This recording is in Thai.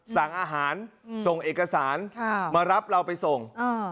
สั่งอาหารส่งเอกสารมารับเราไปส่ง